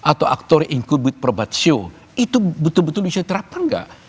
atau actore incubit probatio itu betul betul bisa diterapkan gak